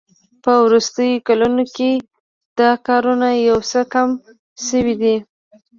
په وروستیو کلونو کې دا کارونه یو څه کم شوي دي